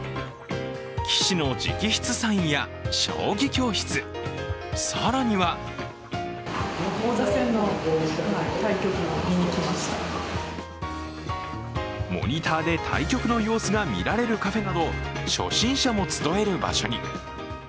棋士の直筆サインや将棋教室、更にはモニターで対局の様子が見られるカフェなど初心者も集える場所に。